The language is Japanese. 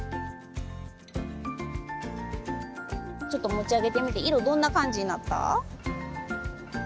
ちょっと持ち上げてみて色どんな感じになった？